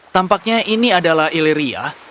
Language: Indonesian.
tampaknya ini adalah illyria